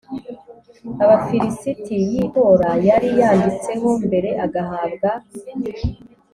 abafilisiti y itora yari yanditseho mbere agahabwa